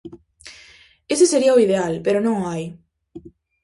Ese sería o ideal, pero non o hai.